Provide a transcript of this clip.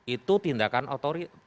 itu tindakan otoritas